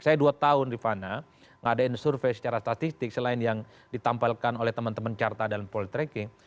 saya dua tahun rifana ngadain survei secara statistik selain yang ditampilkan oleh teman teman carta dan poltreking